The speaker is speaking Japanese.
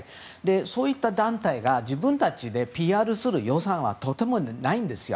そういった団体が自分たちでＰＲする予算はとてもないんですよ。